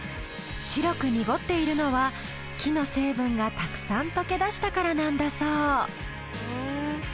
白く濁っているのは木の成分がたくさん溶け出したからなんだそう。